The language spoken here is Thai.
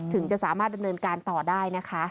ถึงจะสามารถดำเนินการต่อได้นะคะ